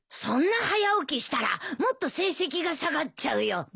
そんな早起きしたらもっと成績が下がっちゃうよ。